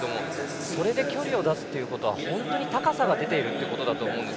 それで距離を出すということは本当に高さが出ていると思います。